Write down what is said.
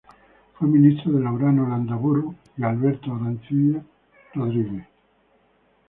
Fue ministro de Laureano Landaburu y Alberto Arancibia Rodríguez.